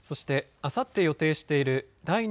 あさって予定している第２